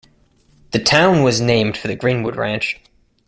The town was named for the Greenwood Ranch.